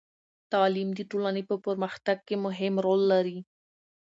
تعلیم د ټولنې په پرمختګ کې مهم رول لري.